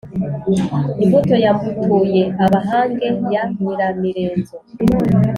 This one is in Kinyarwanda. imbuto ya mbutuye abahange ya nyiramirenzo,